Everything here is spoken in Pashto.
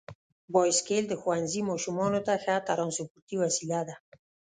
بایسکل د ښوونځي ماشومانو ته ښه ترانسپورتي وسیله ده.